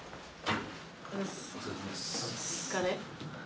「お疲れ」？